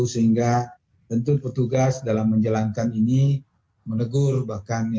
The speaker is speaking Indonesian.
sehingga tentu petugas dalam menjalankan ini menegur bahkan